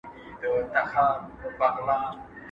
¬ دسترخان ته مه گوره، تندي ته ئې گوره.